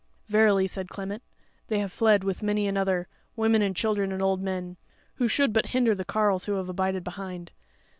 "Verily," said Clement, "they have fled, with many another, women and children and old men, who should but hinder the carles who have abided behind.